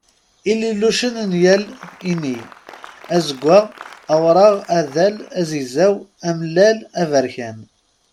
Ililucen n yal inni: azeggaɣ, awṛaɣ, adal, azegzaw, amellal, aberkan.